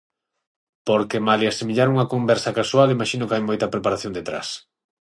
Porque malia semellar unha conversa casual, imaxino que hai moita preparación detrás.